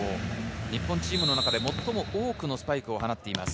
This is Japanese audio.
日本チームの中で最も多くのスパイクを放っています。